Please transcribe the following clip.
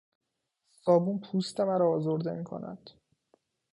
صابون پوست مرا آزرده میکند.